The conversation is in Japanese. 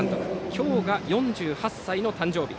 今日が４８歳の誕生日。